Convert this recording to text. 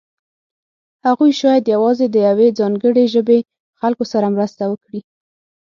هغوی شاید یوازې د یوې ځانګړې ژبې خلکو سره مرسته وکړي.